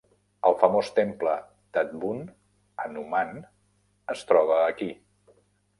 El famós temple Tadbund Hanuman es troba aquí.